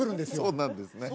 そうなんですね